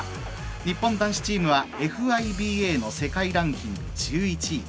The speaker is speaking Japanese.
日本男子チームはＦＩＢＡの世界ランキング１１位。